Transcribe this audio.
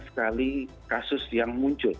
sekali kasus yang muncul